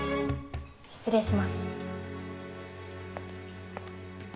失礼します。